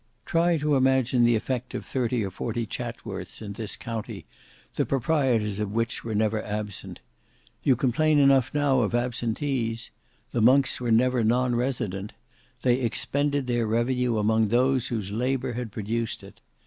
Try to imagine the effect of thirty or forty Chatsworths in this county the proprietors of which were never absent. You complain enough now of absentees. The monks were never non resident. They expended their revenue among those whose labour had produced it.